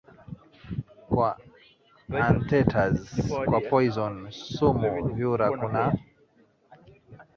kwa anteaters kwa poison sumu vyura Kuna